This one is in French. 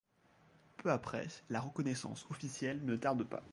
Peu après, la reconnaissance officielle ne tarde pas.